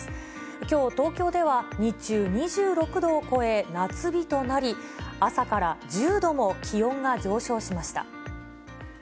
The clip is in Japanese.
きょう、東京では日中２６度を超え、夏日となり、朝から１０度も気温が上昇しました。